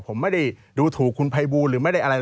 ผมไม่อยากดูถูกคุณภัยบูรณ์มันไม่ได้แบบอะไร